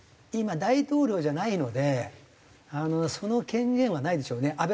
今大統領じゃないのでその権限はないでしょうね。